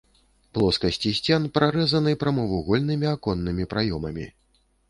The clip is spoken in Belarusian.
Плоскасці сцен прарэзаны прамавугольнымі аконнымі праёмамі.